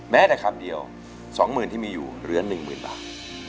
แม้แต่คำเดียวสองหมื่นที่มีอยู่เหลือหนึ่งหมื่นบาท